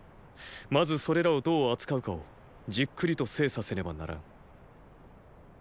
まずそれらをどう扱うかをじっくりと精査せねばならん。